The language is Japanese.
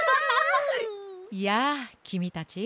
やあきみたち。